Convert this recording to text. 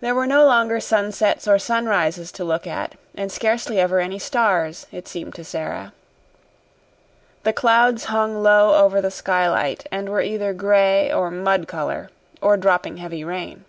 There were no longer sunsets or sunrises to look at, and scarcely ever any stars, it seemed to Sara. The clouds hung low over the skylight and were either gray or mud color, or dropping heavy rain.